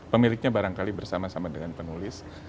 pemiliknya barangkali bersama sama dengan penulis